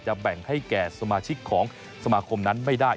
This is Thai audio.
แบ่งให้แก่สมาชิกของสมาคมนั้นไม่ได้